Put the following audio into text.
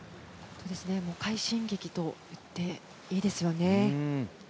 快進撃といっていいですよね。